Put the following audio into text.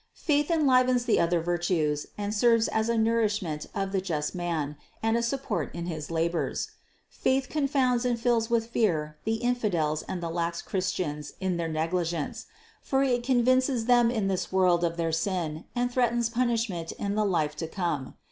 Faith enlivens the other virtues and serves as a nourishment of the just man and a support in his labors. 388 CITY OF GOD Faith confounds and fills with fear the infidels and the lax Christians in their negligence; for it convinces them in this world of their sin and threatens punishment in the life to come.